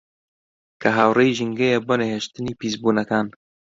کە هاوڕێی ژینگەیە بۆ نەهێشتنی پیسبوونەکان